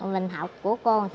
mình học của cô